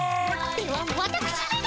ではわたくしめが。